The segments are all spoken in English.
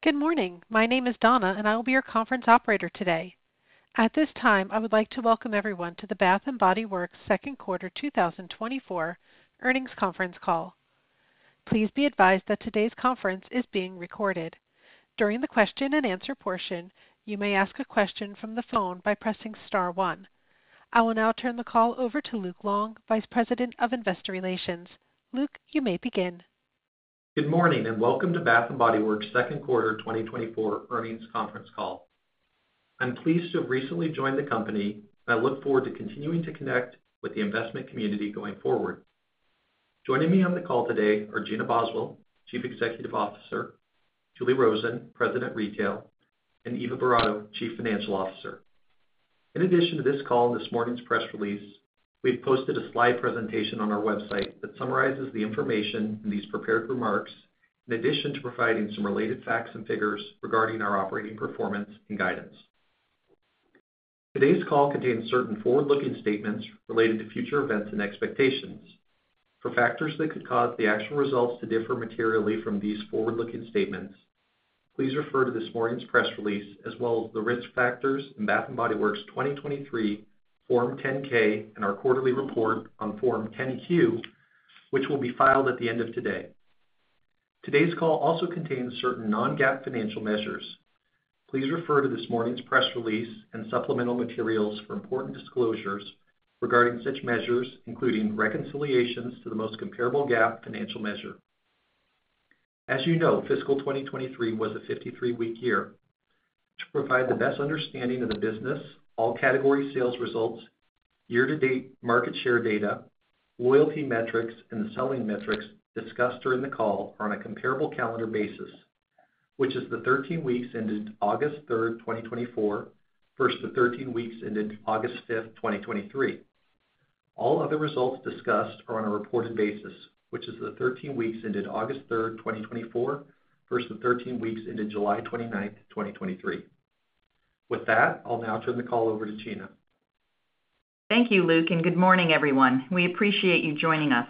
Good morning. My name is Donna, and I will be your conference operator today. At this time, I would like to welcome everyone to the Bath & Body Works Second Quarter 2024 Earnings Conference Call. Please be advised that today's conference is being recorded. During the question and answer portion, you may ask a question from the phone by pressing star one. I will now turn the call over to Luke Long, Vice President of Investor Relations. Luke, you may begin. Good morning, and welcome to Bath & Body Works' Second Quarter 2024 Earnings Conference Call. I'm pleased to have recently joined the company, and I look forward to continuing to connect with the investment community going forward. Joining me on the call today are Gina Boswell, Chief Executive Officer, Julie Rosen, President, Retail, and Eva Boratto, Chief Financial Officer. In addition to this call and this morning's press release, we've posted a slide presentation on our website that summarizes the information in these prepared remarks, in addition to providing some related facts and figures regarding our operating performance and guidance. Today's call contains certain forward-looking statements related to future events and expectations. For factors that could cause the actual results to differ materially from these forward-looking statements, please refer to this morning's press release, as well as the risk factors in Bath & Body Works' 2023 Form 10-K and our quarterly report on Form 10-Q, which will be filed at the end of today. Today's call also contains certain non-GAAP financial measures. Please refer to this morning's press release and supplemental materials for important disclosures regarding such measures, including reconciliations to the most comparable GAAP financial measure. As you know, fiscal 2023 was a 53 week year. To provide the best understanding of the business, all category sales results, year-to-date market share data, loyalty metrics, and the selling metrics discussed during the call are on a comparable calendar basis, which is the 13 weeks ended August 3rd, 2024, versus the thirteen weeks ended August 5th, 2023. All other results discussed are on a reported basis, which is the 13 weeks ended August 3rd, 2024, versus the thirteen weeks ended July 29th, 2023. With that, I'll now turn the call over to Gina. Thank you, Luke, and good morning, everyone. We appreciate you joining us.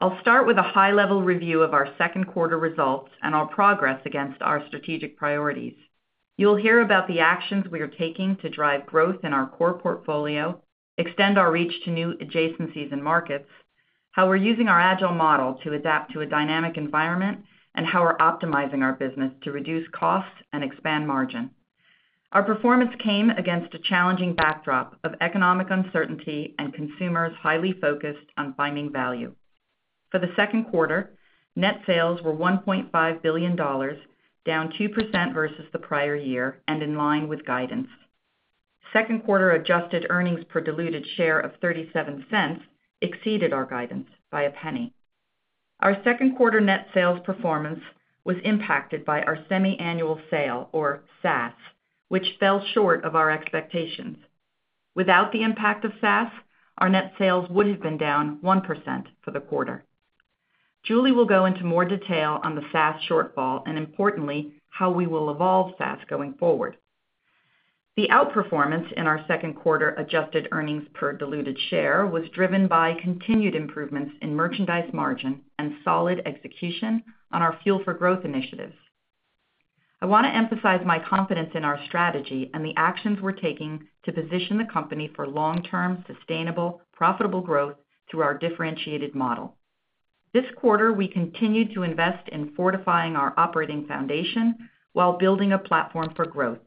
I'll start with a high-level review of our second quarter results and our progress against our strategic priorities. You'll hear about the actions we are taking to drive growth in our core portfolio, extend our reach to new adjacencies and markets, how we're using our agile model to adapt to a dynamic environment, and how we're optimizing our business to reduce costs and expand margin. Our performance came against a challenging backdrop of economic uncertainty and consumers highly focused on finding value. For the second quarter, net sales were $1.5 billion, down 2% versus the prior year and in line with guidance. second quarter adjusted earnings per diluted share of $0.37 exceeded our guidance by $0.01. Our second quarter net sales performance was impacted by our Semi-Annual Sale, or SAS, which fell short of our expectations. Without the impact of SAS, our net sales would have been down 1% for the quarter. Julie will go into more detail on the SAS shortfall and importantly, how we will evolve SAS going forward. The outperformance in our second quarter adjusted earnings per diluted share was driven by continued improvements in merchandise margin and solid execution on our Fuel for Growth initiatives. I want to emphasize my confidence in our strategy and the actions we're taking to position the company for long-term, sustainable, profitable growth through our differentiated model. This quarter, we continued to invest in fortifying our operating foundation while building a platform for growth,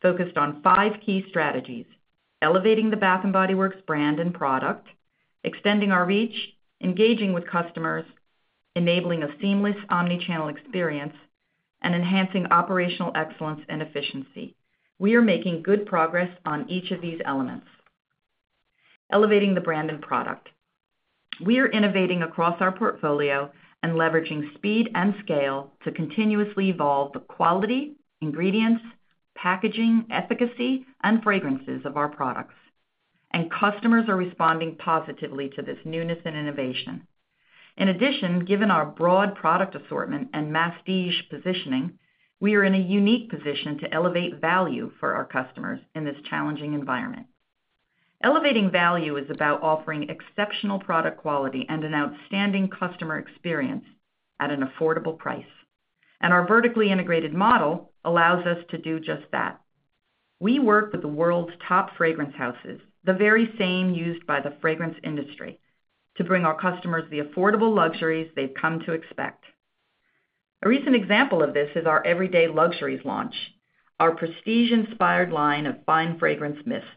focused on five key strategies: elevating the Bath & Body Works brand and product, extending our reach, engaging with customers, enabling a seamless omnichannel experience, and enhancing operational excellence and efficiency. We are making good progress on each of these elements. Elevating the brand and product. We are innovating across our portfolio and leveraging speed and scale to continuously evolve the quality, ingredients, packaging, efficacy, and fragrances of our products, and customers are responding positively to this newness and innovation. In addition, given our broad product assortment and masstige positioning, we are in a unique position to elevate value for our customers in this challenging environment. Elevating value is about offering exceptional product quality and an outstanding customer experience at an affordable price, and our vertically integrated model allows us to do just that. We work with the world's top fragrance houses, the very same used by the fragrance industry, to bring our customers the affordable luxuries they've come to expect. A recent example of this is our Everyday Luxuries launch, our prestige-inspired line of fine fragrance mists.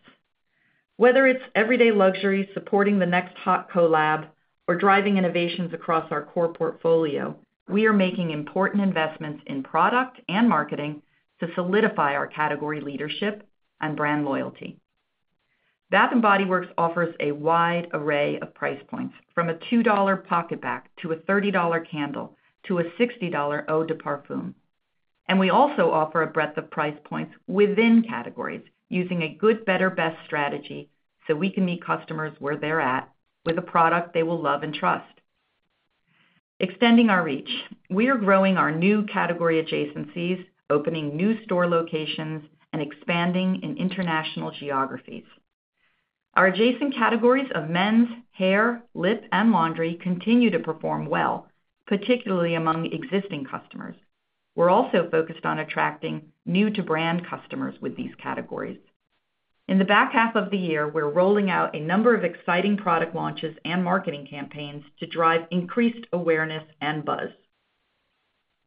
Whether it's Everyday Luxuries supporting the next hot collab or driving innovations across our core portfolio, we are making important investments in product and marketing to solidify our category leadership and brand loyalty. Bath & Body Works offers a wide array of price points, from a $2 PocketBac, to a $30 candle, to a $60 eau de parfum, and we also offer a breadth of price points within categories using a good, better, best strategy so we can meet customers where they're at with a product they will love and trust. Extending our reach, we are growing our new category adjacencies, opening new store locations, and expanding in international geographies. Our adjacent categories of men's, hair, lip, and laundry continue to perform well, particularly among existing customers. We're also focused on attracting new-to-brand customers with these categories. In the back half of the year, we're rolling out a number of exciting product launches and marketing campaigns to drive increased awareness and buzz.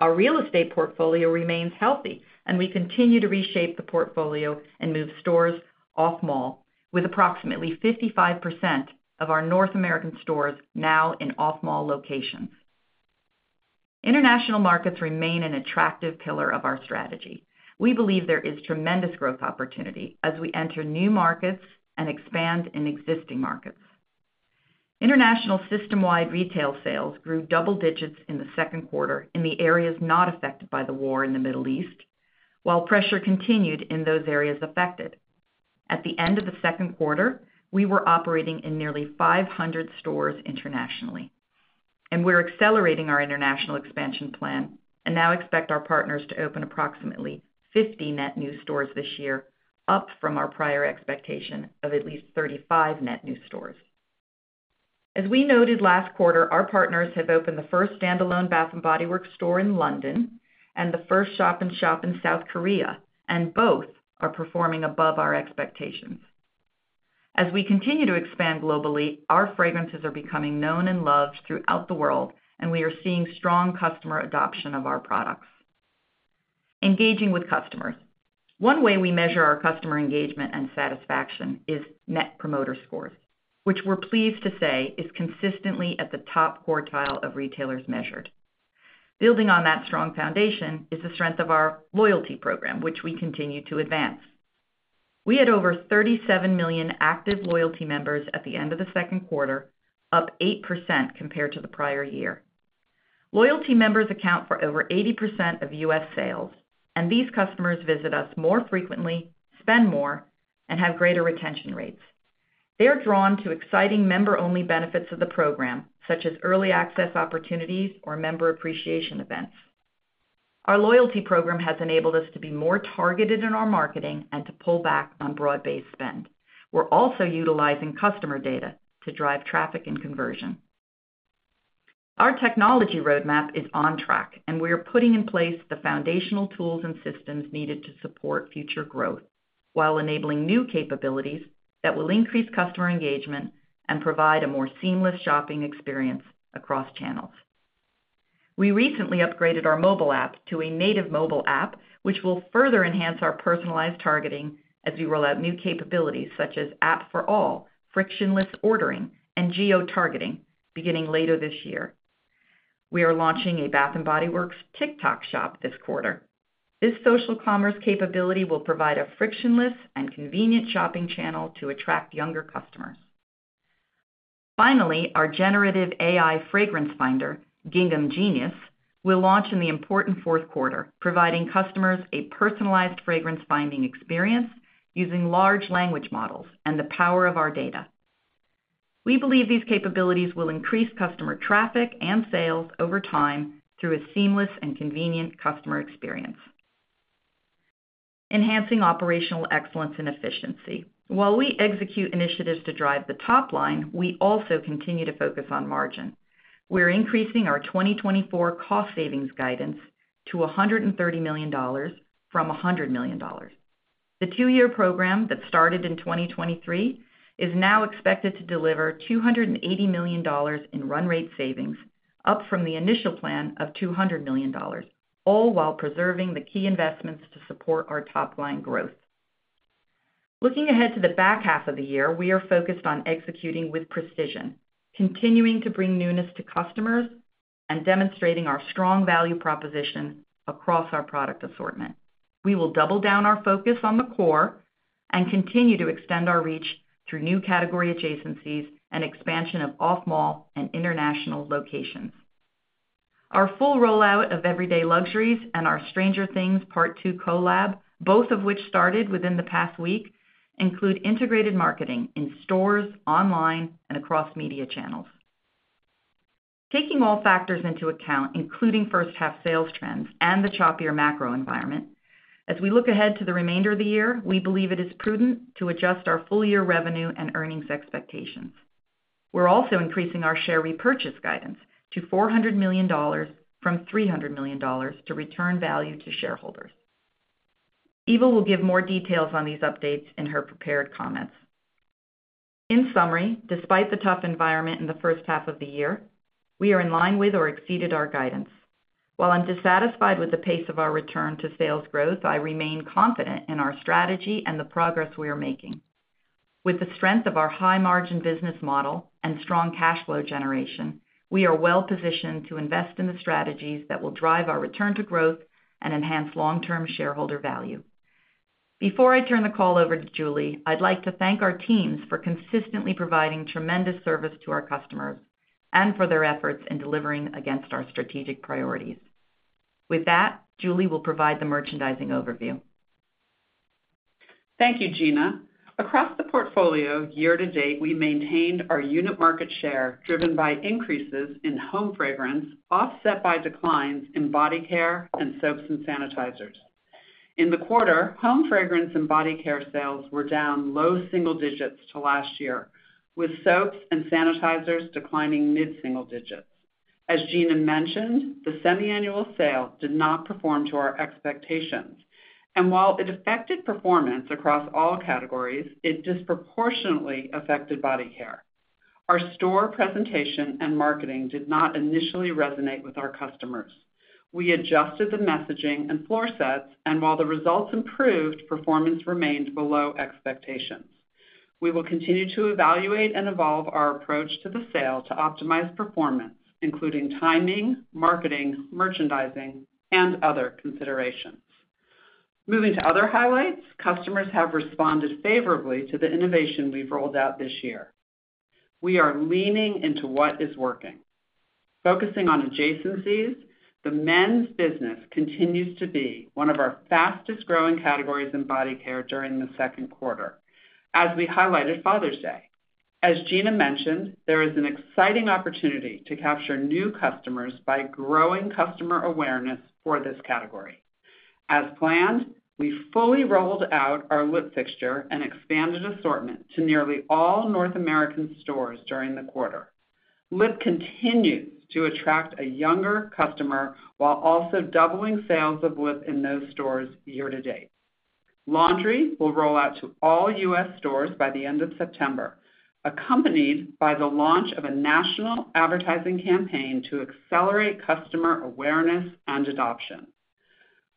Our real estate portfolio remains healthy, and we continue to reshape the portfolio and move stores off-mall, with approximately 55% of our North American stores now in off-mall locations. International markets remain an attractive pillar of our strategy. We believe there is tremendous growth opportunity as we enter new markets and expand in existing markets. International system-wide retail sales grew double digits in the second quarter in the areas not affected by the war in the Middle East, while pressure continued in those areas affected. At the end of the second quarter, we were operating in nearly 500 stores internationally, and we're accelerating our international expansion plan and now expect our partners to open approximately 50 net new stores this year, up from our prior expectation of at least 35 net new stores. As we noted last quarter, our partners have opened the first standalone Bath & Body Works store in London and the first shop-in-shop in South Korea, and both are performing above our expectations. As we continue to expand globally, our fragrances are becoming known and loved throughout the world, and we are seeing strong customer adoption of our products. Engaging with customers. One way we measure our customer engagement and satisfaction is Net Promoter Scores, which we're pleased to say is consistently at the top quartile of retailers measured. Building on that strong foundation is the strength of our loyalty program, which we continue to advance. We had over 37 million active loyalty members at the end of the second quarter, up 8% compared to the prior year. Loyalty members account for over 80% of U.S. sales, and these customers visit us more frequently, spend more, and have greater retention rates. They are drawn to exciting member-only benefits of the program, such as early access opportunities or member appreciation events. Our loyalty program has enabled us to be more targeted in our marketing and to pull back on broad-based spend. We're also utilizing customer data to drive traffic and conversion. Our technology roadmap is on track, and we are putting in place the foundational tools and systems needed to support future growth while enabling new capabilities that will increase customer engagement and provide a more seamless shopping experience across channels. We recently upgraded our mobile app to a native mobile app, which will further enhance our personalized targeting as we roll out new capabilities such as App for All, frictionless ordering, and geotargeting beginning later this year. We are launching a Bath & Body Works TikTok Shop this quarter. This social commerce capability will provide a frictionless and convenient shopping channel to attract younger customers. Finally, our generative AI fragrance finder, Gingham Genius, will launch in the important fourth quarter, providing customers a personalized fragrance-finding experience using large language models and the power of our data. We believe these capabilities will increase customer traffic and sales over time through a seamless and convenient customer experience. Enhancing operational excellence and efficiency. While we execute initiatives to drive the top line, we also continue to focus on margin. We're increasing our 2024 cost savings guidance to $130 million from $100 million. The two-year program that started in 2023 is now expected to deliver $280 million in run rate savings, up from the initial plan of $200 million, all while preserving the key investments to support our top-line growth. Looking ahead to the back half of the year, we are focused on executing with precision, continuing to bring newness to customers, and demonstrating our strong value proposition across our product assortment. We will double down our focus on the core and continue to extend our reach through new category adjacencies and expansion of off-mall and international locations. Our full rollout of Everyday Luxuries and our Stranger Things Part Two collab, both of which started within the past week, include integrated marketing in stores, online, and across media channels. Taking all factors into account, including first half sales trends and the choppier macro environment, as we look ahead to the remainder of the year, we believe it is prudent to adjust our full-year revenue and earnings expectations. We're also increasing our share repurchase guidance to $400 million from $300 million to return value to shareholders. Eva will give more details on these updates in her prepared comments. In summary, despite the tough environment in the first half of the year, we are in line with or exceeded our guidance. While I'm dissatisfied with the pace of our return to sales growth, I remain confident in our strategy and the progress we are making. With the strength of our high-margin business model and strong cash flow generation, we are well positioned to invest in the strategies that will drive our return to growth and enhance long-term shareholder value. Before I turn the call over to Julie, I'd like to thank our teams for consistently providing tremendous service to our customers and for their efforts in delivering against our strategic priorities. With that, Julie will provide the merchandising overview. Thank you, Gina. Across the portfolio, year to date, we maintained our unit market share, driven by increases in home fragrance, offset by declines in body care and soaps and sanitizers. In the quarter, home fragrance and body care sales were down low single digits to last year, with soaps and sanitizers declining mid-single digits. As Gina mentioned, the Semi-annual sale did not perform to our expectations, and while it affected performance across all categories, it disproportionately affected body care. Our store presentation and marketing did not initially resonate with our customers. We adjusted the messaging and floor sets, and while the results improved, performance remained below expectations. We will continue to evaluate and evolve our approach to the sale to optimize performance, including timing, marketing, merchandising, and other considerations. Moving to other highlights, customers have responded favorably to the innovation we've rolled out this year. We are leaning into what is working. Focusing on adjacencies, the men's business continues to be one of our fastest-growing categories in body care during the second quarter, as we highlighted Father's Day. As Gina mentioned, there is an exciting opportunity to capture new customers by growing customer awareness for this category. As planned, we fully rolled out our lip fixture and expanded assortment to nearly all North American stores during the quarter. Lip continues to attract a younger customer while also doubling sales of lip in those stores year to date. Laundry will roll out to all U.S. stores by the end of September, accompanied by the launch of a national advertising campaign to accelerate customer awareness and adoption.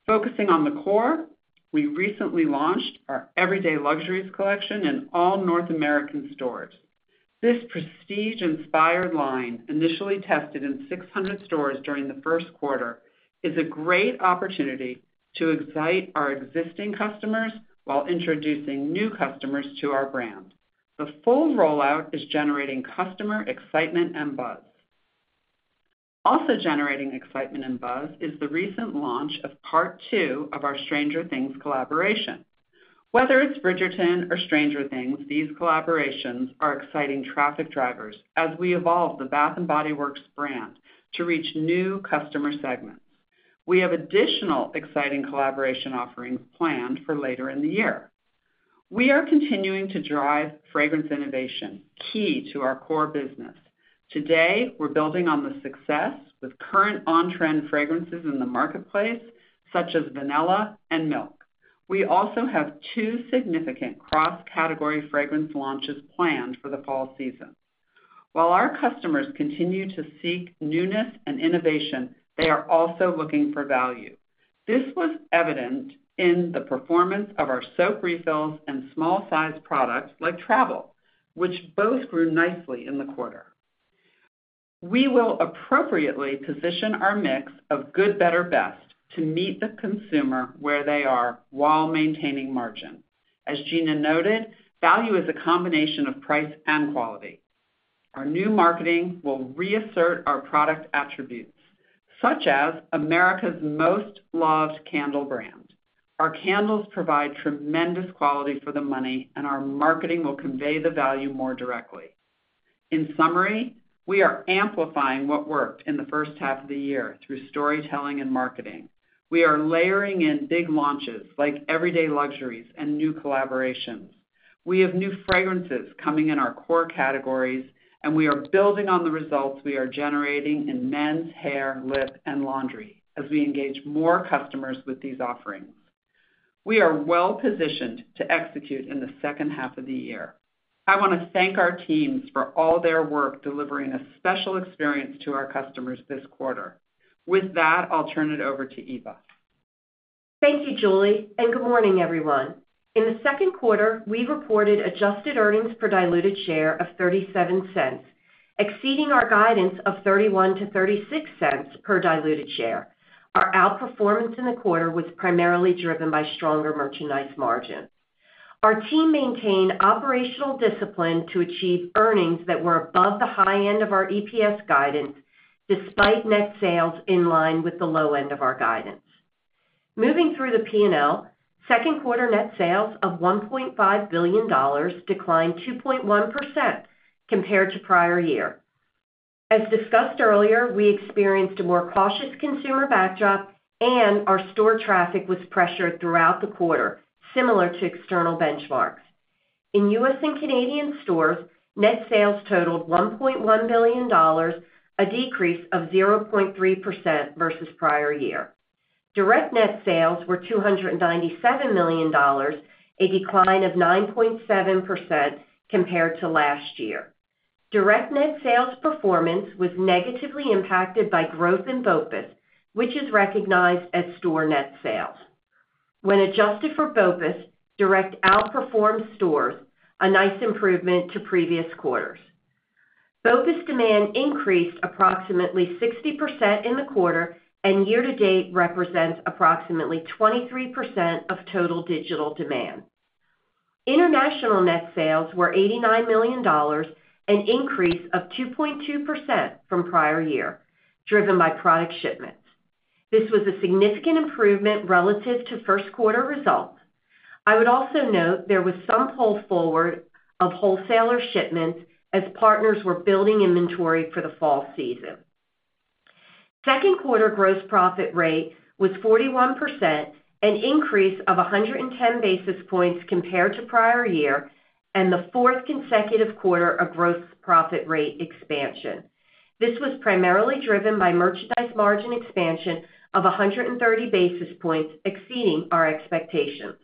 Focusing on the core, we recently launched our Everyday Luxuries collection in all North American stores. This prestige-inspired line, initially tested in 600 stores during the first quarter, is a great opportunity to excite our existing customers while introducing new customers to our brand. The full rollout is generating customer excitement and buzz. Also generating excitement and buzz is the recent launch of part two of our Stranger Things collaboration. Whether it's Bridgerton or Stranger Things, these collaborations are exciting traffic drivers as we evolve the Bath & Body Works brand to reach new customer segments. We have additional exciting collaboration offerings planned for later in the year. We are continuing to drive fragrance innovation, key to our core business. Today, we're building on the success with current on-trend fragrances in the marketplace, such as vanilla and milk. We also have two significant cross-category fragrance launches planned for the fall season. While our customers continue to seek newness and innovation, they are also looking for value. This was evident in the performance of our soap refills and small-sized products, like travel, which both grew nicely in the quarter. We will appropriately position our mix of good, better, best to meet the consumer where they are while maintaining margin. As Gina noted, value is a combination of price and quality. Our new marketing will reassert our product attributes, such as America's most loved candle brand. Our candles provide tremendous quality for the money, and our marketing will convey the value more directly. In summary, we are amplifying what worked in the first half of the year through storytelling and marketing. We are layering in big launches like Everyday Luxuries and new collaborations. We have new fragrances coming in our core categories, and we are building on the results we are generating in men's hair, lip, and laundry as we engage more customers with these offerings. We are well-positioned to execute in the second half of the year. I want to thank our teams for all their work delivering a special experience to our customers this quarter. With that, I'll turn it over to Eva. Thank you, Julie, and good morning, everyone. In the second quarter, we reported adjusted earnings per diluted share of $0.37, exceeding our guidance of $0.31-$0.36 per diluted share. Our outperformance in the quarter was primarily driven by stronger merchandise margins. Our team maintained operational discipline to achieve earnings that were above the high end of our EPS guidance, despite net sales in line with the low end of our guidance. Moving through the P&L, second quarter net sales of $1.5 billion declined 2.1% compared to prior year. As discussed earlier, we experienced a more cautious consumer backdrop, and our store traffic was pressured throughout the quarter, similar to external benchmarks. In U.S. and Canadian stores, net sales totaled $1.1 billion, a decrease of 0.3% versus prior year. Direct net sales were $297 million, a decline of 9.7% compared to last year. Direct net sales performance was negatively impacted by growth in BOPUS, which is recognized as store net sales. When adjusted for BOPUS, direct outperformed stores, a nice improvement to previous quarters. BOPUS demand increased approximately 60% in the quarter, and year to date represents approximately 23% of total digital demand. International net sales were $89 million, an increase of 2.2% from prior year, driven by product shipments. This was a significant improvement relative to first quarter results. I would also note there was some pull forward of wholesaler shipments as partners were building inventory for the fall season. Second quarter gross profit rate was 41%, an increase of 110 basis points compared to prior year, and the fourth consecutive quarter of gross profit rate expansion. This was primarily driven by merchandise margin expansion of 130 basis points, exceeding our expectations.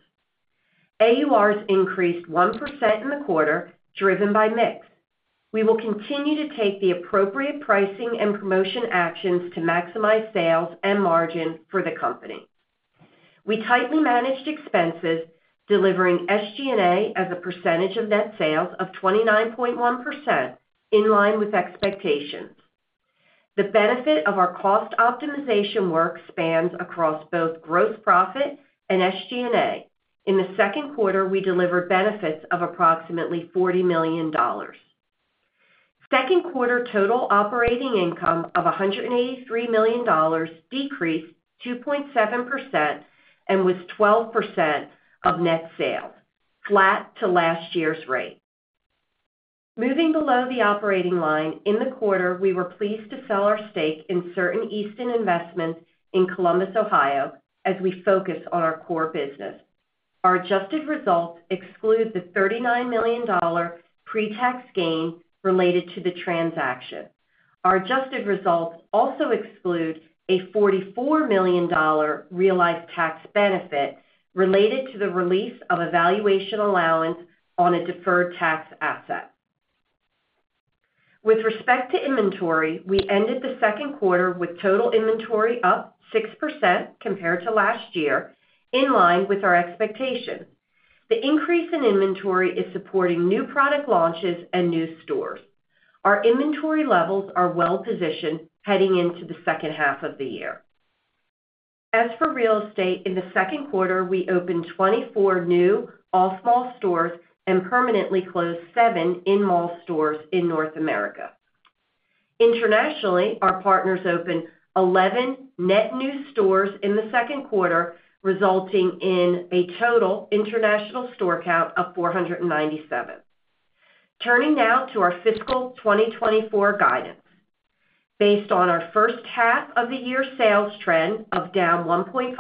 AURs increased 1% in the quarter, driven by mix. We will continue to take the appropriate pricing and promotion actions to maximize sales and margin for the company. We tightly managed expenses, delivering SG&A as a percentage of net sales of 29.1%, in line with expectations. The benefit of our cost optimization work spans across both gross profit and SG&A. In the second quarter, we delivered benefits of approximately $40 million. Second quarter total operating income of $183 million decreased 2.7% and was 12% of net sales, flat to last year's rate. Moving below the operating line, in the quarter, we were pleased to sell our stake in certain Easton investments in Columbus, Ohio, as we focus on our core business. Our adjusted results exclude the $39 million pre-tax gain related to the transaction. Our adjusted results also exclude a $44 million realized tax benefit related to the release of a valuation allowance on a deferred tax asset. With respect to inventory, we ended the second quarter with total inventory up 6% compared to last year, in line with our expectations. The increase in inventory is supporting new product launches and new stores. Our inventory levels are well positioned heading into the second half of the year. As for real estate, in the second quarter, we opened 24 new off-mall stores and permanently closed seven in-mall stores in North America. Internationally, our partners opened 11 net new stores in the second quarter, resulting in a total international store count of 497. Turning now to our fiscal 2024 guidance. Based on our first half of the year sales trend of down 1.5%,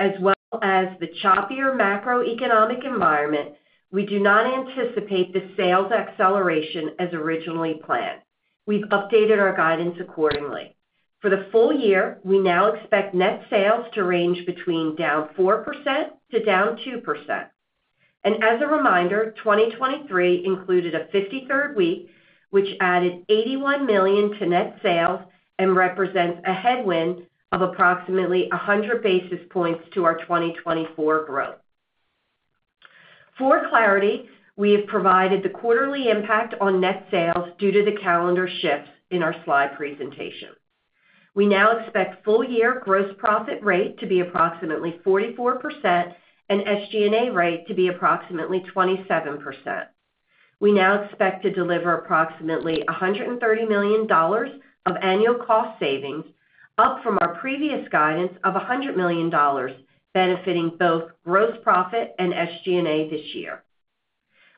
as well as the choppier macroeconomic environment, we do not anticipate the sales acceleration as originally planned. We've updated our guidance accordingly. For the full year, we now expect net sales to range between down 4% to down 2%. And as a reminder, 2023 included a 53rd week, which added $81 million to net sales and represents a headwind of approximately 100 basis points to our 2024 growth. For clarity, we have provided the quarterly impact on net sales due to the calendar shifts in our slide presentation. We now expect full-year gross profit rate to be approximately 44% and SG&A rate to be approximately 27%. We now expect to deliver approximately $130 million of annual cost savings, up from our previous guidance of $100 million, benefiting both gross profit and SG&A this year.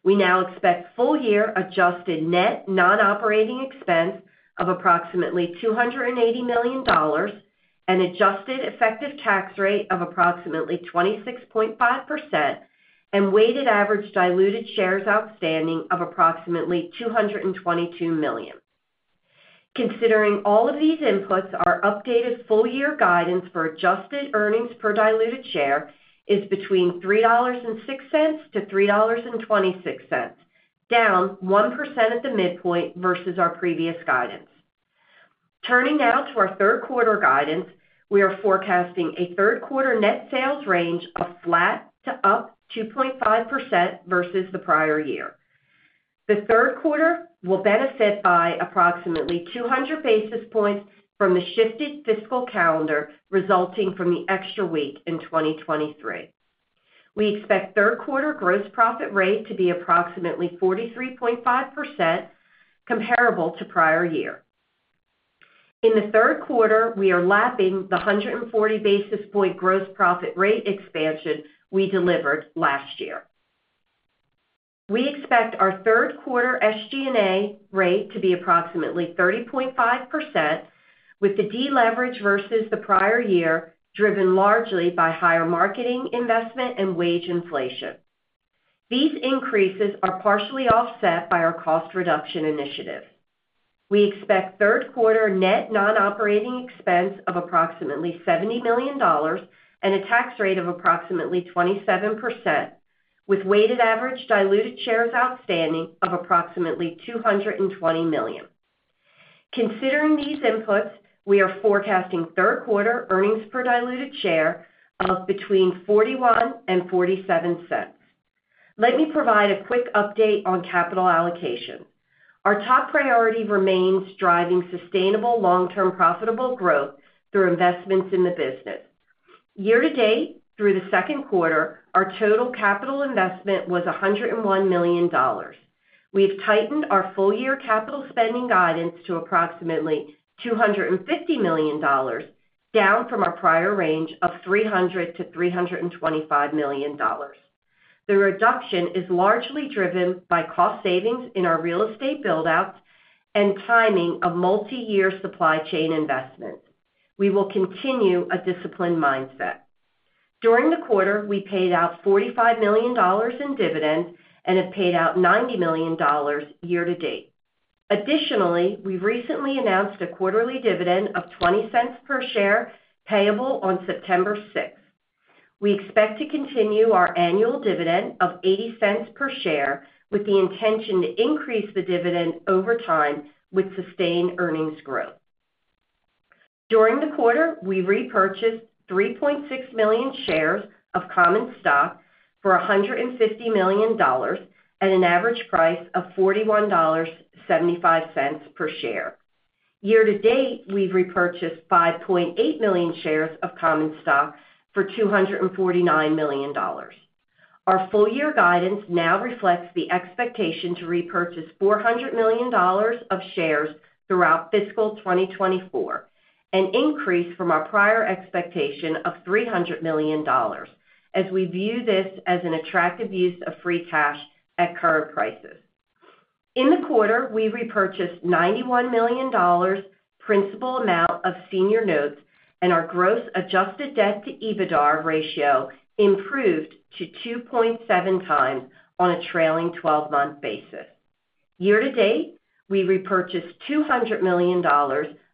We now expect full-year adjusted net non-operating expense of approximately $280 million, an adjusted effective tax rate of approximately 26.5%, and weighted average diluted shares outstanding of approximately 222 million. Considering all of these inputs, our updated full-year guidance for adjusted earnings per diluted share is between $3.06 and $3.26, down 1% at the midpoint versus our previous guidance. Turning now to our third quarter guidance, we are forecasting a third quarter net sales range of flat to up 2.5% versus the prior year. The third quarter will benefit by approximately 200 basis points from the shifted fiscal calendar, resulting from the extra week in 2023. We expect third quarter gross profit rate to be approximately 43.5%, comparable to prior year. In the third quarter, we are lapping the 140 basis point gross profit rate expansion we delivered last year. We expect our third quarter SG&A rate to be approximately 30.5%, with the deleverage versus the prior year driven largely by higher marketing investment and wage inflation. These increases are partially offset by our cost reduction initiative. We expect third quarter net non-operating expense of approximately $70 million and a tax rate of approximately 27%, with weighted average diluted shares outstanding of approximately 220 million. Considering these inputs, we are forecasting third quarter earnings per diluted share of between $0.41 and $0.47. Let me provide a quick update on capital allocation. Our top priority remains driving sustainable, long-term, profitable growth through investments in the business. Year to date, through the second quarter, our total capital investment was $101 million. We've tightened our full-year capital spending guidance to approximately $250 million, down from our prior range of $300 million-$325 million. The reduction is largely driven by cost savings in our real estate build-out and timing of multiyear supply chain investments. We will continue a disciplined mindset. During the quarter, we paid out $45 million in dividends and have paid out $90 million year-to-date. Additionally, we recently announced a quarterly dividend of 20 cents per share, payable on 6th September. We expect to continue our annual dividend of 80 cents per share, with the intention to increase the dividend over time with sustained earnings growth. During the quarter, we repurchased 3.6 million shares of common stock for $150 million at an average price of $41.75 per share. Year-to-date, we've repurchased 5.8 million shares of common stock for $249 million. Our full-year guidance now reflects the expectation to repurchase $400 million of shares throughout fiscal 2024, an increase from our prior expectation of $300 million, as we view this as an attractive use of free cash at current prices. In the quarter, we repurchased $91 million principal amount of senior notes, and our gross adjusted debt to EBITDA ratio improved to 2.7x on a trailing twelve-month basis. Year-to-date, we repurchased $200 million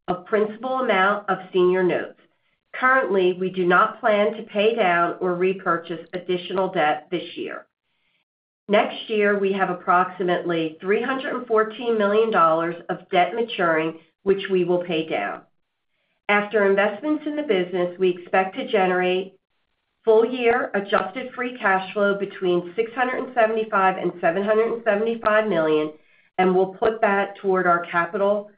of principal amount of senior notes. Currently, we do not plan to pay down or repurchase additional debt this year. Next year, we have approximately $314 million of debt maturing, which we will pay down. After investments in the business, we expect to generate full year adjusted free cash flow between $675 million and $775 million, and we'll put that toward our capital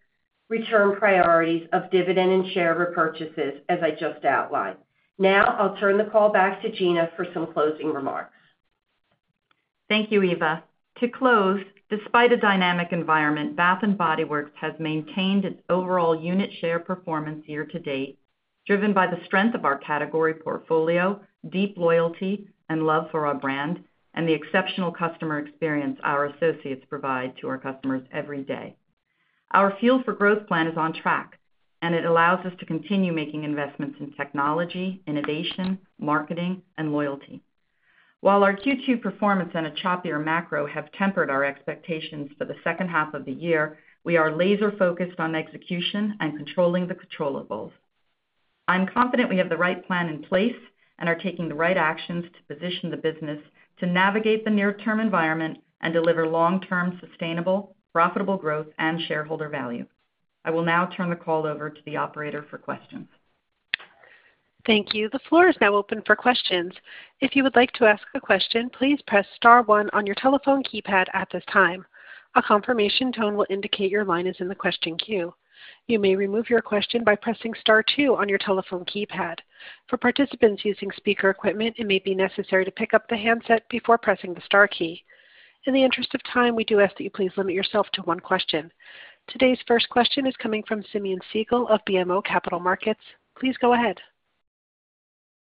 return priorities of dividend and share repurchases, as I just outlined. Now I'll turn the call back to Gina for some closing remarks. Thank you, Eva. To close, despite a dynamic environment, Bath & Body Works has maintained its overall unit share performance year-to-date, driven by the strength of our category portfolio, deep loyalty and love for our brand, and the exceptional customer experience our associates provide to our customers every day. Our Fuel for Growth Plan is on track, and it allows us to continue making investments in technology, innovation, marketing, and loyalty. While our Q2 performance and a choppier macro have tempered our expectations for the second half of the year, we are laser focused on execution and controlling the controllables. I'm confident we have the right plan in place and are taking the right actions to position the business to navigate the near-term environment and deliver long-term, sustainable, profitable growth and shareholder value. I will now turn the call over to the operator for questions. Thank you. The floor is now open for questions. If you would like to ask a question, please press star one on your telephone keypad at this time. A confirmation tone will indicate your line is in the question queue. You may remove your question by pressing star two on your telephone keypad. For participants using speaker equipment, it may be necessary to pick up the handset before pressing the star key. In the interest of time, we do ask that you please limit yourself to one question. Today's first question is coming from Simeon Siegel of BMO Capital Markets. Please go ahead.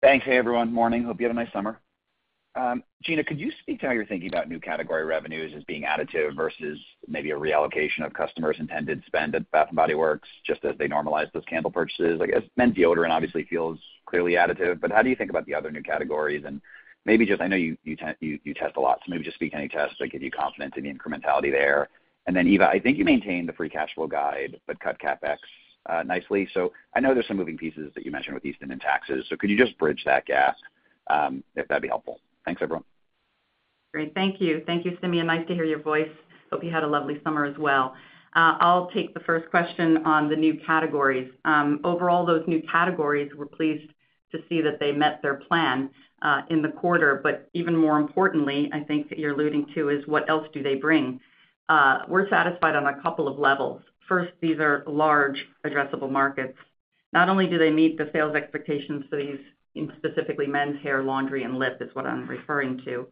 Thanks. Hey, everyone. Morning. Hope you had a nice summer. Gina, could you speak to how you're thinking about new category revenues as being additive versus maybe a reallocation of customers' intended spend at Bath & Body Works, just as they normalize those candle purchases? I guess men's deodorant obviously feels clearly additive, but how do you think about the other new categories? And maybe just I know you test a lot, so maybe just speak to any tests that give you confidence in the incrementality there. And then, Eva, I think you maintained the free cash flow guide, but cut CapEx nicely. So I know there's some moving pieces that you mentioned with Easton and taxes, so could you just bridge that gap, if that'd be helpful? Thanks, everyone. Great. Thank you. Thank you, Simeon. Nice to hear your voice. Hope you had a lovely summer as well. I'll take the first question on the new categories. Overall, those new categories, we're pleased to see that they met their plan, in the quarter, but even more importantly, I think that you're alluding to, is what else do they bring? We're satisfied on a couple of levels. First, these are large addressable markets. Not only do they meet the sales expectations for these, specifically men's hair, laundry, and lip is what I'm referring to,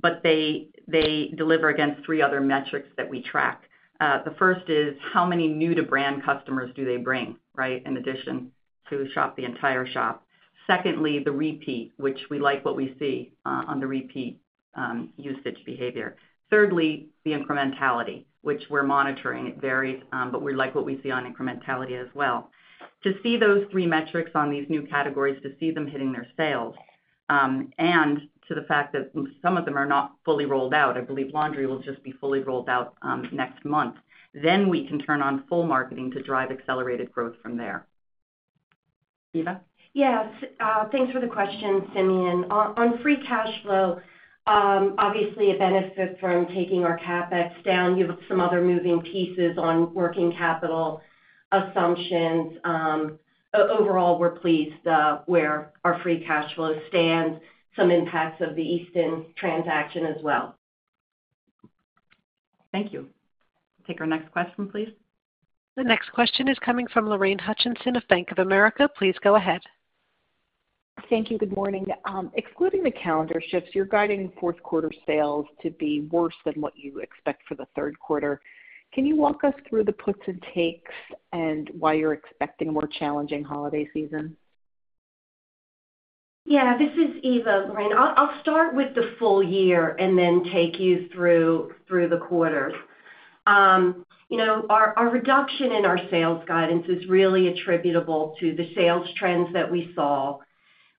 but they, they they deliver against three other metrics that we track. The first is, how many new-to-brand customers do they bring, right, in addition to shop the entire shop? Secondly, the repeat, which we like what we see, on the repeat, usage behavior. Thirdly, the incrementality, which we're monitoring. It varies, but we like what we see on incrementality as well. To see those three metrics on these new categories, to see them hitting their sales, and to the fact that some of them are not fully rolled out, I believe laundry will just be fully rolled out, next month, then we can turn on full marketing to drive accelerated growth from there. Eva? Yes, thanks for the question, Simeon. On free cash flow, obviously, a benefit from taking our CapEx down. You have some other moving pieces on working capital assumptions. Overall, we're pleased where our free cash flow stands. Some impacts of the Easton transaction as well. Thank you. Take our next question, please. The next question is coming from Lorraine Hutchinson of Bank of America. Please go ahead. Thank you. Good morning. Excluding the calendar shifts, you're guiding fourth quarter sales to be worse than what you expect for the third quarter. Can you walk us through the puts and takes and why you're expecting a more challenging holiday season?... Yeah, this is Eva, Lorraine. I'll I'll start with the full year and then take you through through the quarter. You know, our our reduction in our sales guidance is really attributable to the sales trends that we saw.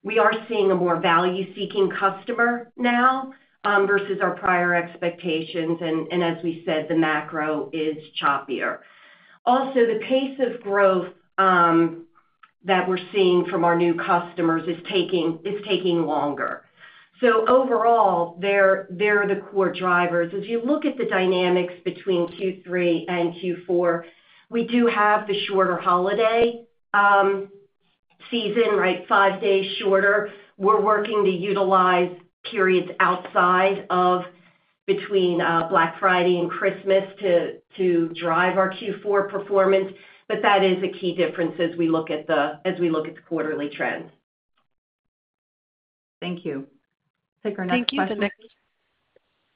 We are seeing a more value-seeking customer now versus our prior expectations, and and as we said, the macro is choppier. Also, the pace of growth that we're seeing from our new customers is taking is taking longer. So overall, they're they're the core drivers. If you look at the dynamics between Q3 and Q4, we do have the shorter holiday season, right? Five days shorter. We're working to utilize periods outside of between Black Friday and Christmas to to drive our Q4 performance, but that is a key difference as we look at the as we look at quarterly trends. Thank you. Take our next question. Thank you.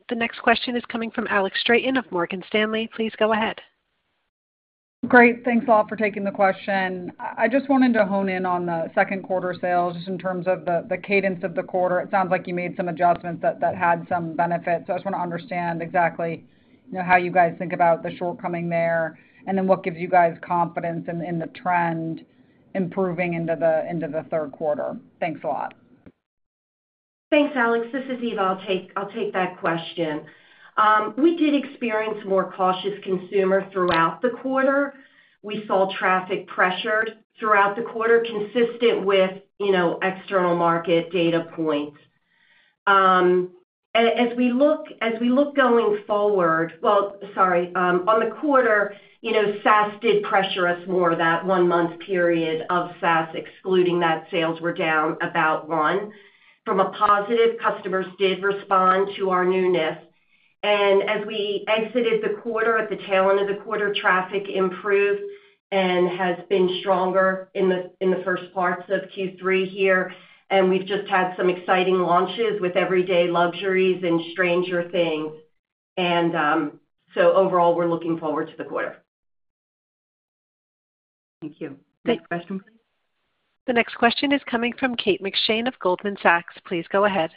The next question is coming from Alex Straton of Morgan Stanley. Please go ahead. Great. Thanks, all, for taking the question. I just wanna to hone in on the second quarter sales just in terms of the the cadence of the quarter. It sounds like you made some adjustments that that had some benefits. So I just wanna understand exactly, you know, how you guys think about the shortcoming there, and then what gives you guys confidence in the trend improving into the into the third quarter? Thanks a lot. Thanks, Alex. This is Eva. I'll take I'll take that question. We did experience more cautious consumer throughout the quarter. We saw traffic pressure throughout the quarter, consistent with, you know, external market data points. As as we look going forward. Well, sorry. On the quarter, you know, SAS did pressure us more that one-month period of SAS, excluding that, sales were down about one. From a positive, customers did respond to our newness, and as we exited the quarter, at the tail end of the quarter, traffic improved and has been stronger in the in the first parts of Q3 here. And we've just had some exciting launches with Everyday Luxuries and Stranger Things. And so overall, we're looking forward to the quarter. Thank you. Thank- next question. The next question is coming from Kate McShane of Goldman Sachs. Please go ahead.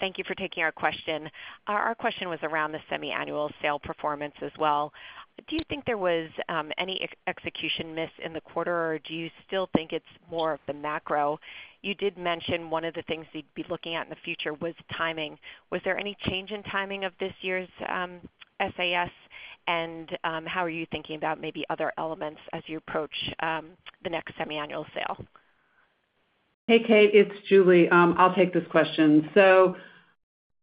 Thank you for taking our question. Our question was around the Semi-annual sale performance as well. Do you think there was any execution miss in the quarter, or do you still think it's more of the macro? You did mention one of the things you'd be looking at in the future was timing. Was there any change in timing of this year's SAS, and how you're thinking about maybe other elements as you approach the next Semi-annual sale? Hey, Kate, it's Julie. I'll take this question. So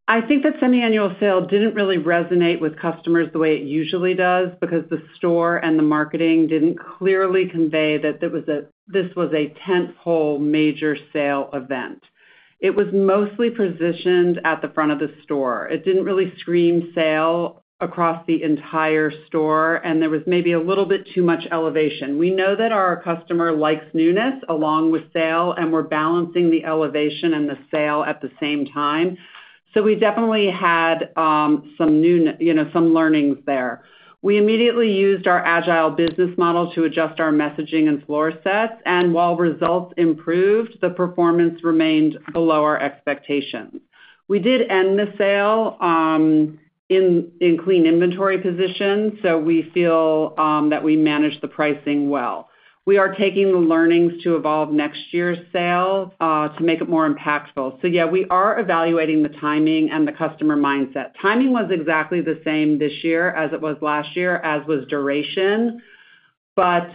I think that Semi-annual sale didn't really resonate with customers the way it usually does because the store and the marketing didn't clearly convey that this was a this was a tent-pole major sale event. It was mostly positioned at the front of the store. It didn't really scream sale across the entire store, and there was maybe a little bit too much elevation. We know that our customer likes newness along with sale, and we're balancing the elevation and the sale at the same time. So we definitely had some new, you know, some learnings there. We immediately used our agile business model to adjust our messaging and floor sets, and while results improved, the performance remained below our expectations. We did end the sale in in clean inventory position, so we feel that we managed the pricing well. We are taking the learnings to evolve next year's sale to make it more impactful. So yeah, we are evaluating the timing and the customer mindset. Timing was exactly the same this year as it was last year, as was duration, but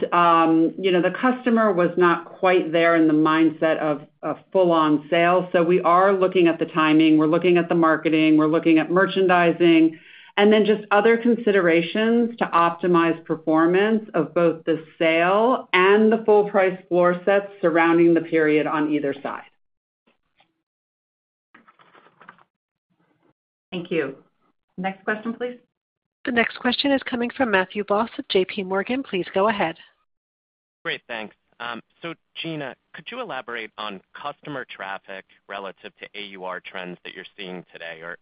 you know, the customer was not quite there in the mindset of of full-on sale. So we are looking at the timing, we're looking at the marketing, we're looking at merchandising, and then just other considerations to optimize performance of both the sale and the full price floor sets surrounding the period on either side. Thank you. Next question, please. The next question is coming from Matthew Boss of J.P. Morgan. Please go ahead. Great, thanks. So Gina, could you elaborate on customer traffic relative to AUR trends that you're seeing today? Or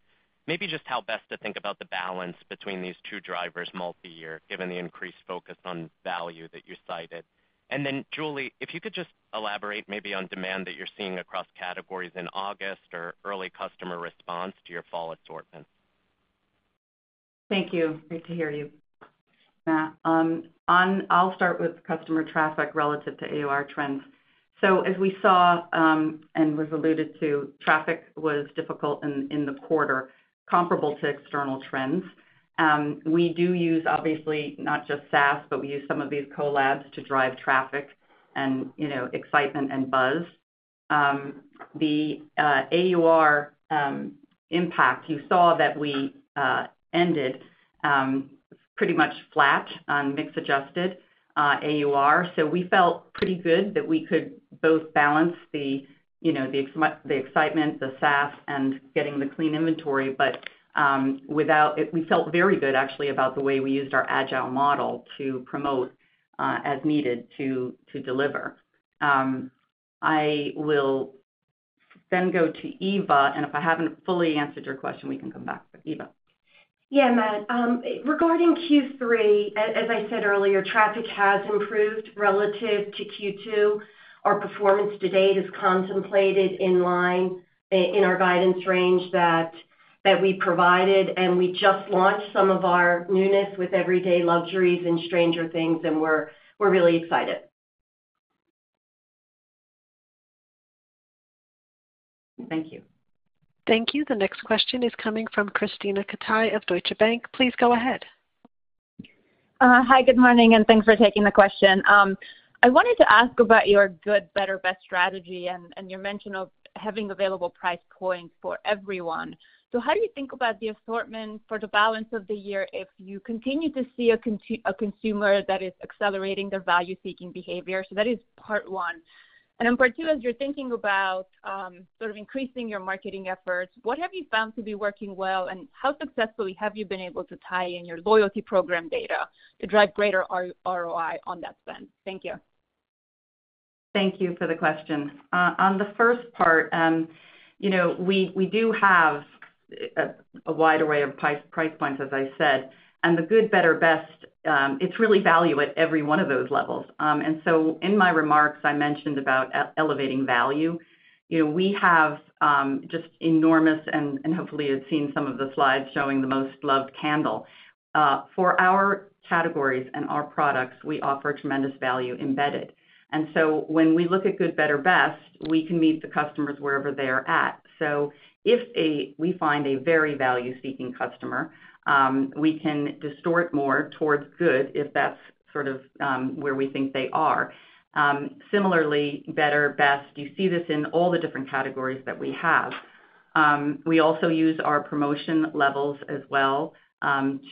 maybe just how best to think about the balance between these two drivers multi-year, given the increased focus on value that you cited. And then, Julie, if you could just elaborate maybe on demand that you're seeing across categories in August or early customer response to your fall assortment. Thank you. Great to hear you, Matt. On, I'll start with customer traffic relative to AUR trends. So as we saw, and was alluded to, traffic was difficult in in the quarter, comparable to external trends. We do use, obviously, not just SAS, but we use some of these collabs to drive traffic and, you know, excitement and buzz. The AUR impact, you saw that we ended pretty much flat on mix-adjusted AUR. So we felt pretty good that we could both balance the, you know, the excitement, the SAS, and getting the clean inventory, but without it. We felt very good, actually, about the way we used our agile model to promote as needed to to deliver. I will then go to Eva, and if I haven't fully answered your question, we can come back. But Eva? Yeah, Matt, regarding Q3, as as I said earlier, traffic has improved relative to Q2. Our performance to date is contemplated in line with our guidance range that that we provided, and we just launched some of our newness with Everyday Luxuries and Stranger Things, and we're we're really excited. Thank you. Thank you. The next question is coming from Krisztina Katai of Deutsche Bank. Please go ahead. Hi, good morning, and thanks for taking the question. I wanted to ask about your good, better, best strategy and and your mention of having available price points for everyone. So how do you think about the assortment for the balance of the year if you continue to see a consumer that is accelerating their value-seeking behavior? That is part one. And then part two, as you're thinking about sort of increasing your marketing efforts, what have you found to be working well, and how successfully have you been able to tie in your loyalty program data to drive greater ROI on that spend? Thank you. Thank you for the question. On the first part, you know, we we do have a wide array of price points, as I said, and the good, better, best, it's really value at every one of those levels. And so in my remarks, I mentioned about elevating value. You know, we have just enormous and and hopefully, you've seen some of the slides showing the most loved candle. For our categories and our products, we offer tremendous value embedded. And so when we look at good, better, best, we can meet the customers wherever they're at. So if we find a very value-seeking customer, we can distort more towards good, if that's sort of where we think they are. Similarly, better, best, you see this in all the different categories that we have. We also use our promotion levels as well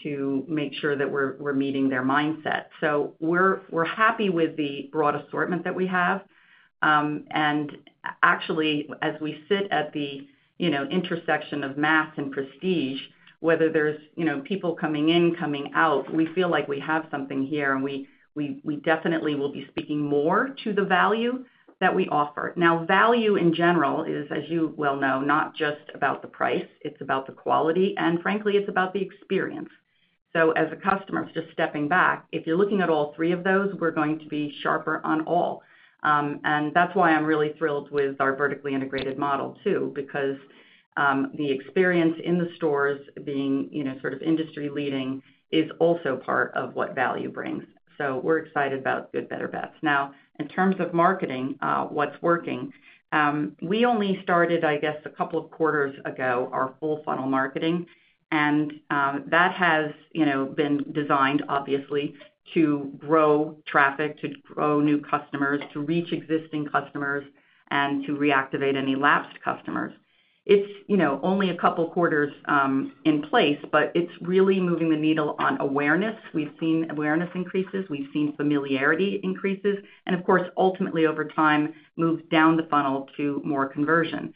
to make sure that we're we're meeting their mindset. So we're we're happy with the broad assortment that we have. And actually, as we sit at the, you know, intersection of mass and prestige, whether there's, you know, people coming in, coming out, we feel like we have something here, and we we definitely will be speaking more to the value that we offer. Now, value, in general, is, as you well know, not just about the price, it's about the quality, and frankly, it's about the experience. So as a customer, just stepping back, if you're looking at all three of those, we're going to be sharper on all. And that's why I'm really thrilled with our vertically integrated model, too, because the experience in the stores being, you know, sort of industry-leading is also part of what value brings. So we're excited about good, better, best. Now, in terms of marketing, what's working? We only started, I guess, a couple of quarters ago, our full funnel marketing, and that has, you know, been designed obviously to grow traffic, to grow new customers, to reach existing customers, and to reactivate any lapsed customers. It's, you know, only a couple quarters in place, but it's really moving the needle on awareness. We've seen awareness increases, we've seen familiarity increases, and of course, ultimately, over time, moves down the funnel to more conversion.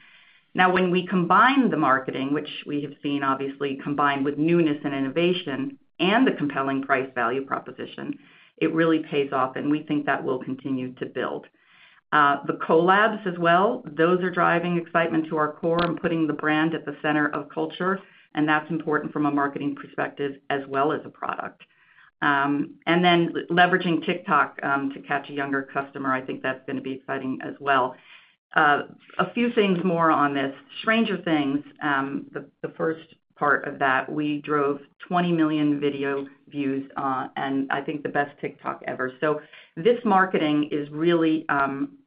Now, when we combine the marketing, which we have seen obviously combined with newness and innovation and the compelling price-value proposition, it really pays off, and we think that will continue to build. The collabs as well, those are driving excitement to our core and putting the brand at the center of culture, and that's important from a marketing perspective as well as a product. And then leveraging TikTok to catch a younger customer, I think that's gonna be exciting as well. A a few things more on this. Stranger Things, the first part of that, we drove 20 million video views, and I think the best TikTok ever. So this marketing is really,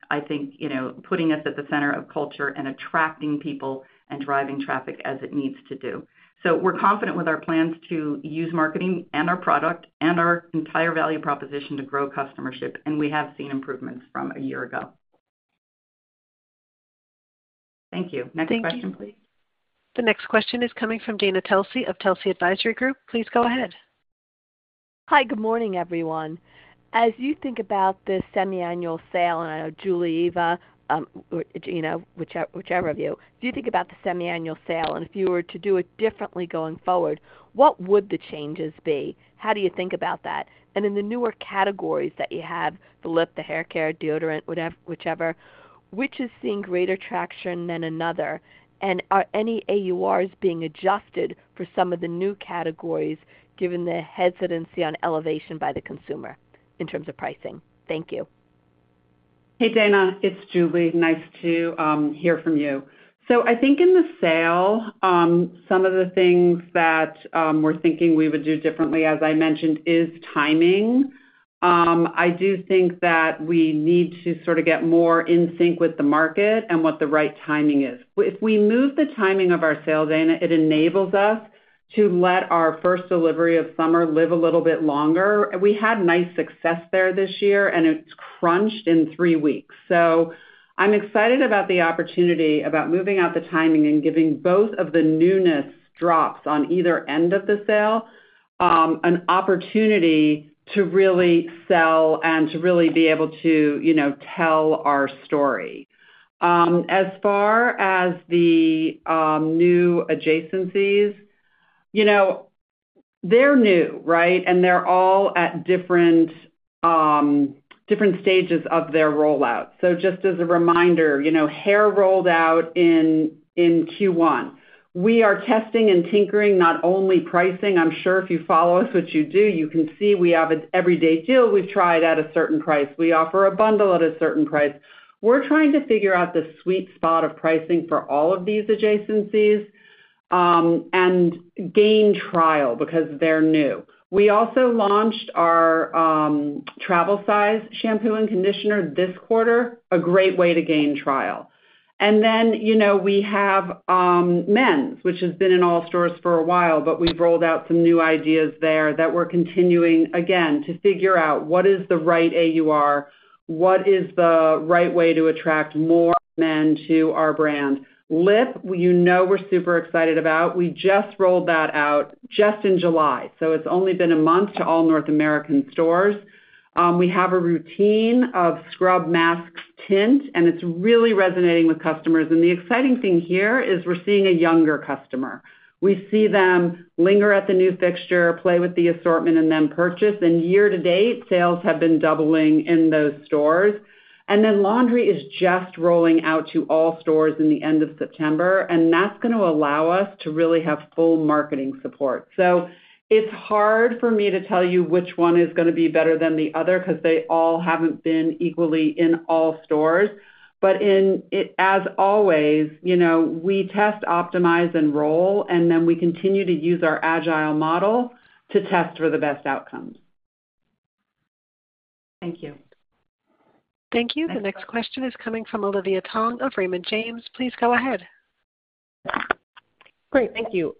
I think, you know, putting us at the center of culture and attracting people and driving traffic as it needs to do. So we're confident with our plans to use marketing and our product and our entire value proposition to grow customership, and we have seen improvements from a year ago. Thank you. Thank you. Next question, please. The next question is coming from Dana Telsey of Telsey Advisory Group. Please go ahead. Hi, good morning, everyone. As you think about the Semi-annual sale, and I know Julie, Eva, or Gina, whichever of you, do you think about the Semi-annual sale, and if you were to do it differently going forward, what would the changes be? How do you think about that? And in the newer categories that you have, the lip, the hair care, deodorant, whatever-whichever, which is seeing greater traction than another, and are any AURs being adjusted for some of the new categories, given the hesitancy on elevation by the consumer in terms of pricing? Thank you. Hey, Dana, it's Julie. Nice to hear from you. So I think in the sale, some of the things that we're thinking we would do differently, as I mentioned, is timing. I do think that we need to sort of get more in sync with the market and what the right timing is. If we move the timing of our sale, Dana, it enables us to let our first delivery of summer live a little bit longer. We had nice success there this year, and it's crunched in three weeks. So I'm excited about the opportunity, about moving out the timing and giving both of the newness drops on either end of the sale, an opportunity to really sell and to really be able to, you know, tell our story. As far as the new adjacencies, you know. They're new, right? And they're all at different different stages of their rollout. So just as a reminder, you know, hair rolled out in in in Q1. We are testing and tinkering, not only pricing. I'm sure if you follow us, which you do, you can see we have an everyday deal. We've tried at a certain price. We offer a bundle at a certain price. We're trying to figure out the sweet spot of pricing for all of these adjacencies, and gain trial because they're new. We also launched our travel size shampoo and conditioner this quarter, a great way to gain trial. And then, you know, we have men's, which has been in all stores for a while, but we've rolled out some new ideas there that we're continuing, again, to figure out what is the right AUR? What is the right way to attract more men to our brand? Lip, you know, we're super excited about. We just rolled that out just in July, so it's only been a month to all North American stores. We have a routine of scrub, masks, tint, and it's really resonating with customers. And the exciting thing here is we're seeing a younger customer. We see them linger at the new fixture, play with the assortment, and then purchase. And year-to-date, sales have been doubling in those stores. And then laundry is just rolling out to all stores in the end of September, and that's gonna allow us to really have full marketing support. So it's hard for me to tell you which one is gonna be better than the other because they all haven't been equally in all stores. But in, as always, you know, we test, optimize, and roll, and then we continue to use our agile model to test for the best outcomes. Thank you. Thank you. The next question is coming from Olivia Tong of Raymond James. Please go ahead. Great, thank you.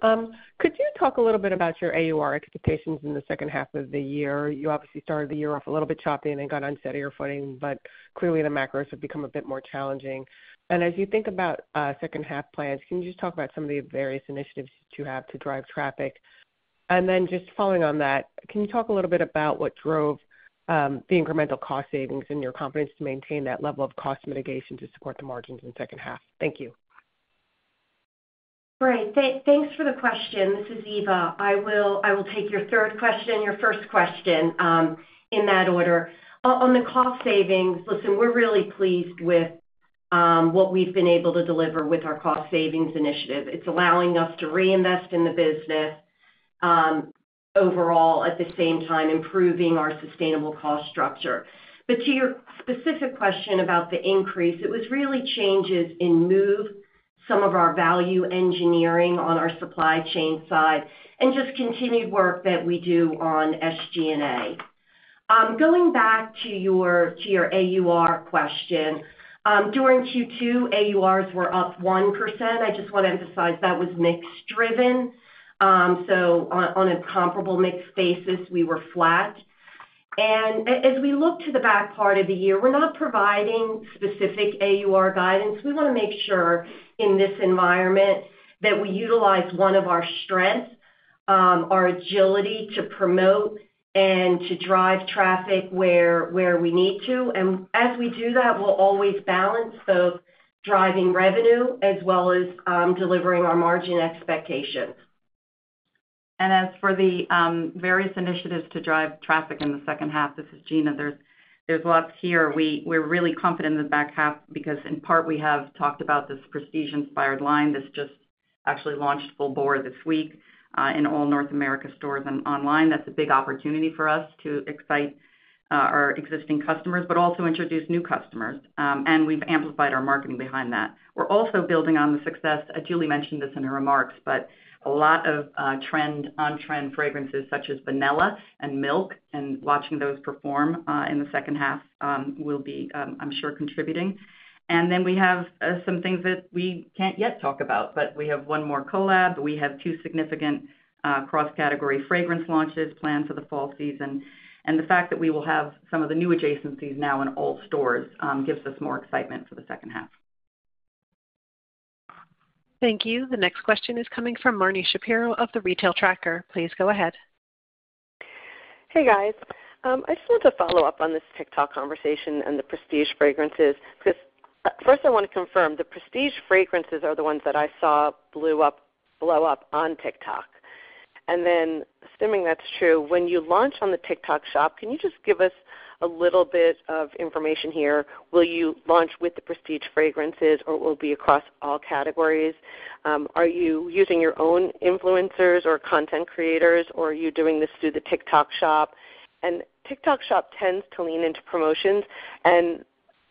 Could you talk a little bit about your AUR expectations in the second half of the year? You obviously started the year off a little bit choppy and then got on steadier footing, but clearly, the macros have become a bit more challenging. And as you think about second half plans, can you just talk about some of the various initiatives that you have to drive traffic? And then just following on that, can you talk a little bit about what drove the incremental cost savings and your confidence to maintain that level of cost mitigation to support the margins in the second half? Thank you. Great! Thanks thanks for the question. This is Eva. I will I will take your third question, your first question, in that order. On the cost savings, listen, we're really pleased with what we've been able to deliver with our cost savings initiative. It's allowing us to reinvest in the business, overall, at the same time, improving our sustainable cost structure. But to your specific question about the increase, it was really changes and moves in some of our value engineering on our supply chain side and just continued work that we do on SG&A. Going back to your AUR question, during Q2, AURs were up 1%. I just want to emphasize that was mix-driven, so on a comparable mix basis, we were flat. And as we look to the back part of the year, we're not providing specific AUR guidance. We wanna make sure in this environment that we utilize one of our strengths, our agility to promote and to drive traffic where where we need to. As we do that, we'll always balance both driving revenue as well as delivering our margin expectations. And as for the various initiatives to drive traffic in the second half, this is Gina. There's lots here. We we're really confident in the back half because in part, we have talked about this prestige-inspired line that's just actually launched full bore this week in all North America stores and online. That's a big opportunity for us to excite our existing customers, but also introduce new customers, and we've amplified our marketing behind that. We're also building on the success, as Julie mentioned this in her remarks, but a lot of trend on-trend fragrances such as vanilla and milk, and watching those perform in the second half will be, I'm sure, contributing. And then we have some things that we can't yet talk about, but we have one more collab, we have two significant cross-category fragrance launches planned for the fall season. And the fact that we will have some of the new adjacencies now in all stores gives us more excitement for the second half. Thank you. The next question is coming from Marni Shapiro of The Retail Tracker. Please go ahead. Hey, guys. I just wanted to follow up on this TikTok conversation and the prestige fragrances, because first I want to confirm, the prestige fragrances are the ones that I saw blew up blew up on TikTok. And then assuming that's true, when you launch on the TikTok Shop, can you just give us a little bit of information here? Will you launch with the prestige fragrances, or it will be across all categories? Are you using your own influencers or content creators, or are you doing this through the TikTok Shop? And TikTok Shop tends to lean into promotions, and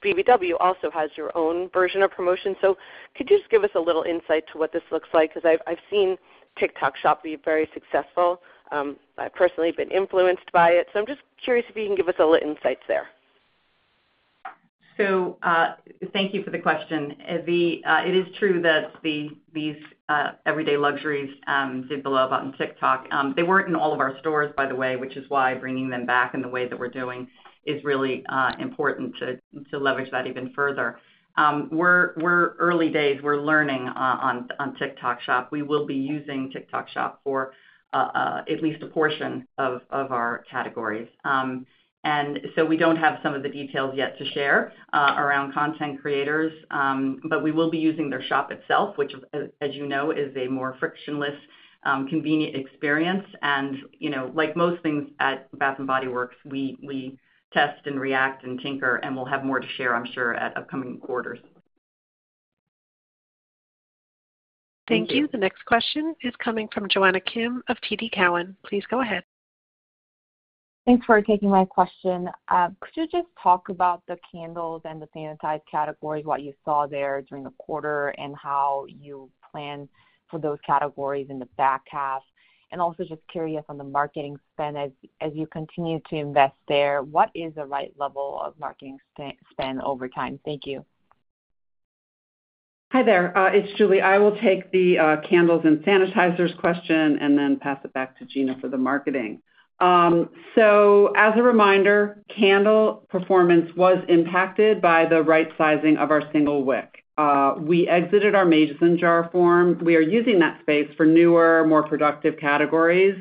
BBW also has your own version of promotions. So could you just give us a little insight to what this looks like? Because I've seen TikTok Shop be very successful. I've personally been influenced by it, so I'm just curious if you can give us a little insights there. So thank you for the question. It is true that these these Everyday Luxuries did blow up on TikTok. They weren't in all of our stores, by the way, which is why bringing them back in the way that we're doing is really important to to leverage that even further. We're we're early days. We're learning on TikTok Shop. We will be using TikTok Shop for at least a portion of of our categories, and so we don't have some of the details yet to share around content creators, but we will be using their shop itself, which as you know, is a more frictionless convenient experience. And you know, like most things at Bath & Body Works, we we test and react and tinker, and we'll have more to share, I'm sure, at upcoming quarters. ... Thank you. The next question is coming from Jonna Kim of TD Cowen. Please go ahead. Thanks for taking my question. Could you just talk about the candles and the sanitizer categories, what you saw there during the quarter, and how you plan for those categories in the back half? And also just curious on the marketing spend. As as you continue to invest there, what is the right level of marketing spend spend over time? Thank you. Hi there, it's Julie. I will take the candles and sanitizers question and then pass it back to Gina for the marketing. So as a reminder, candle performance was impacted by the right sizing of our Single Wick. We exited our Mason jar form. We are using that space for newer, more productive categories.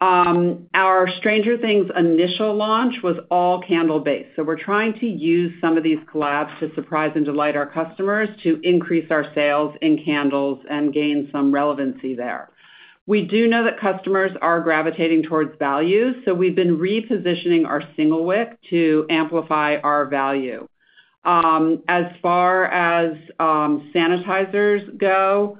Our Stranger Things initial launch was all candle-based. So we're trying to use some of these collabs to surprise and delight our customers, to increase our sales in candles and gain some relevancy there. We do know that customers are gravitating towards value, so we've been repositioning our Single Wick to amplify our value. As far as sanitizers go,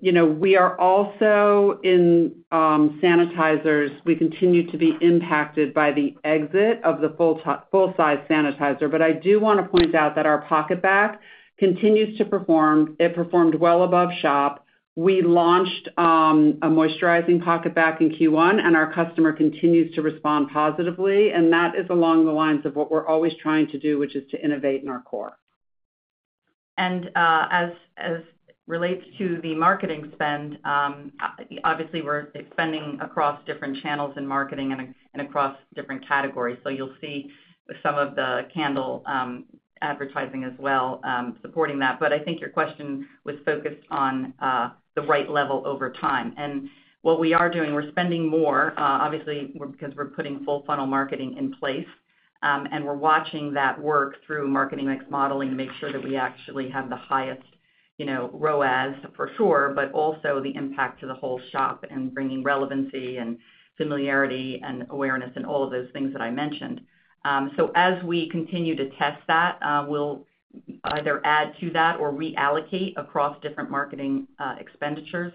you know, we are also in sanitizers. We continue to be impacted by the exit of the full size sanitizer. But I do wanna point out that our PocketBac continues to perform. It performed well above shop. We launched a moisturizing PocketBac in Q1, and our customer continues to respond positively, and that is along the lines of what we're always trying to do, which is to innovate in our core. And as as relates to the marketing spend, obviously, we're spending across different channels in marketing and across different categories. You'll see some of the candle advertising as well, supporting that. But I think your question was focused on the right level over time. And what we are doing, we're spending more, obviously, because we're putting full funnel marketing in place. And we're watching that work through marketing mix modeling to make sure that we actually have the highest, you know, ROAS, for sure, but also the impact to the whole shop and bringing relevancy and familiarity and awareness and all of those things that I mentioned. So as we continue to test that, we'll either add to that or reallocate across different marketing expenditures.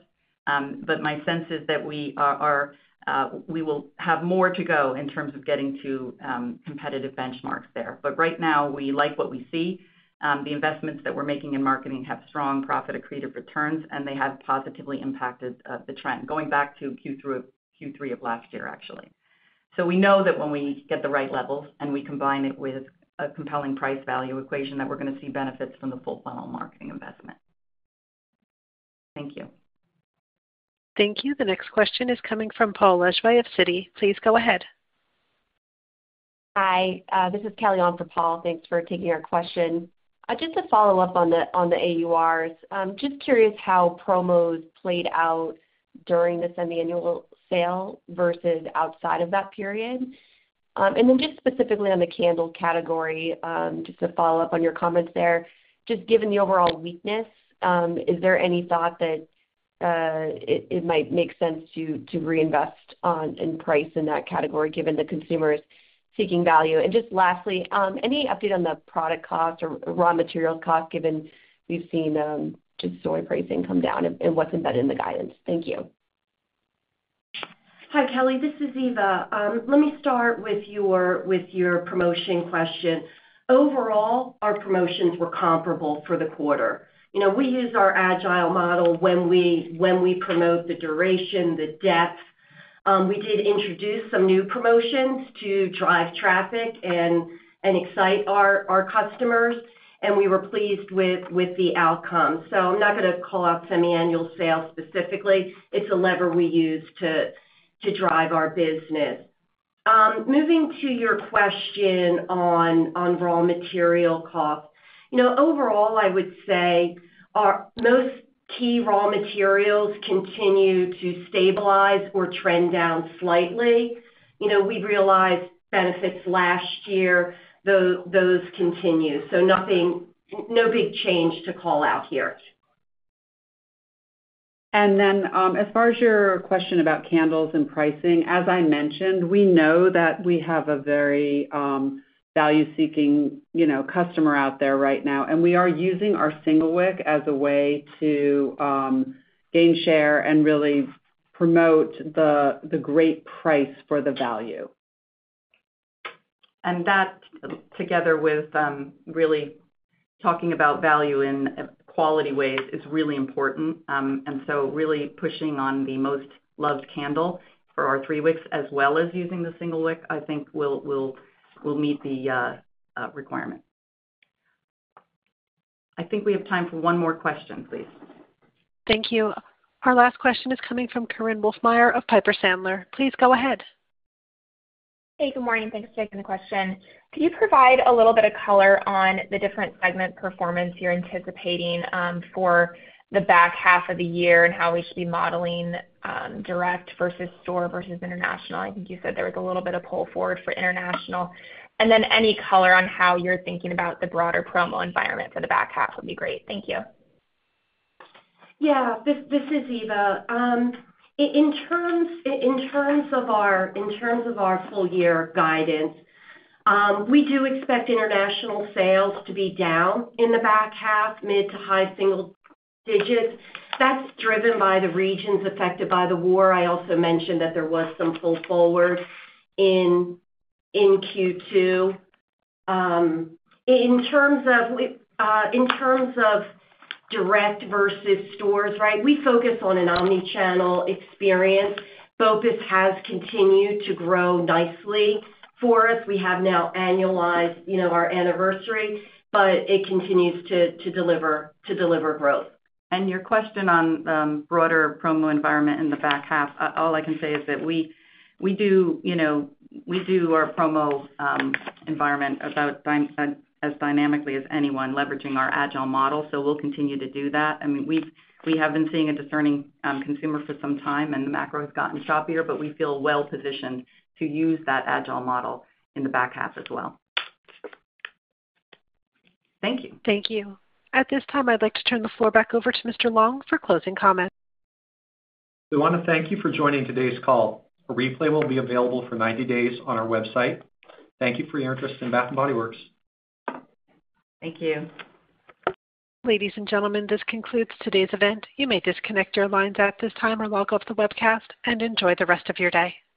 My sense is that we are... We will have more to go in terms of getting to, competitive benchmarks there. But right now, we like what we see. The investments that we're making in marketing have strong, profit accretive returns, and they have positively impacted the trend, going back to Q3 of last year, actually. So we know that when we get the right levels, and we combine it with a compelling price-value equation, that we're gonna see benefits from the full funnel marketing investment. Thank you. Thank you. The next question is coming from Paul Lejuez of Citi. Please go ahead. Hi, this is Kelly on for Paul. Thanks for taking our question. Just to follow up on the AURs, just curious how promos played out during the Semi-annual sale versus outside of that period. And then just specifically on the candle category, just to follow up on your comments there, just given the overall weakness, is there any thought that it might make sense to to reinvest in price in that category, given the consumers seeking value? And just lastly, any update on the product cost or raw materials cost, given we've seen just soy pricing come down and what's embedded in the guidance? Thank you. Hi, Kelly, this is Eva. Let me start with your with your promotion question. Overall, our promotions were comparable for the quarter. You know, we use our agile model when we when we promote the duration, the depth. We did introduce some new promotions to drive traffic and and excite our our customers, and we were pleased with with the outcome. So I'm not gonna call out Semi-annual sales specifically. It's a lever we use to to drive our business. Moving to your question on on raw material cost. You know, overall, I would say our most key raw materials continue to stabilize or trend down slightly. You know, we realized benefits last year. Those those continue, so nothing, no big change to call out here. And then, as far as your question about candles and pricing, as I mentioned, we know that we have a very value-seeking, you know, customer out there right now, and we are using our single-wick as a way to gain share and really promote the the great price for the value. And that, together with really talking about value in quality ways, is really important. And so really pushing on the most loved candle for our 3-Wick, as well as using the Single Wick, I think we'll we'll meet the requirement. I think we have time for one more question, please. Thank you. Our last question is coming from Korinne Wolfmeyer of Piper Sandler. Please go ahead. Hey, good morning. Thanks for taking the question. Could you provide a little bit of color on the different segment performance you're anticipating for the back half of the year and how we should be modeling direct versus store versus international? I think you said there was a little bit of pull forward for international. And then, any color on how you're thinking about the broader promo environment for the back half would be great. Thank you. Yeah, this this is Eva. In terms in terms of our in terms of our full year guidance, we do expect international sales to be down in the back half, mid- to high-single digits. That's driven by the regions affected by the war. I also mentioned that there was some pull forward in in Q2. In terms of in terms of direct versus stores, right? We focus on an omni-channel experience. Focus has continued to grow nicely for us. We have now annualized, you know, our anniversary, but it continues to to deliver to deliver growth. And your question on on broader promo environment in the back half, all I can say is that we we do, you know, we do our promo environment as dynamically as anyone, leveraging our agile model, so we'll continue to do that. And we I mean we, we have'nt seen a discerning consumer for some time, and the macro has gotten choppier, but we feel well-positioned to use that agile model in the back half as well. Thank you. Thank you. At this time, I'd like to turn the floor back over to Mr. Long for closing comments. We wanna thank you for joining today's call. A replay will be available for 90 days on our website. Thank you for your interest in Bath & Body Works. Thank you. Ladies and gentlemen, this concludes today's event. You may disconnect your lines at this time or log off the webcast and enjoy the rest of your day.